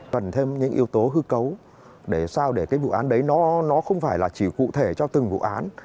cần thêm những yếu tố hư cấu để sao để cái vụ án đấy nó không phải là chỉ cụ thể cho từng vụ án